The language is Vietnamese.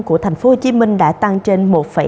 của thành phố hồ chí minh đã tăng trên một hai mươi sáu